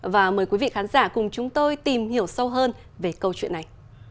và mời quý vị khán giả cùng chúng tôi tìm hiểu sâu hơn về câu chuyện này